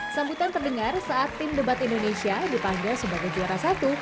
sambutan terdengar saat tim debat indonesia dipanggil sebagai juara satu